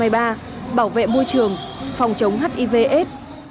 bảo vệ môi trường phòng chống hiv aids